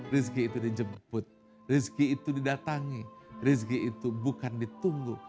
rizki itu dijemput rizki itu didatangi rizki itu bukan ditunggu